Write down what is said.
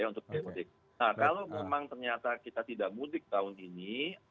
nah kalau memang ternyata kita tidak mudik tahun ini